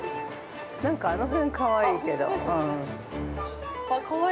◆なんかあの辺、かわいいけど。